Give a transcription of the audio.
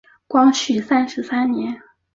光绪三十三年。